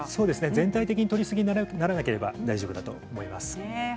全体的にとりすぎにならなければ大丈夫だと思います。